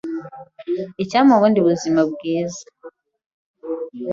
ikampa ubundi buzima bwiza.